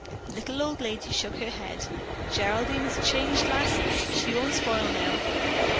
The little old lady shook her head. "Geraldine is a changed lassie. She won't spoil now."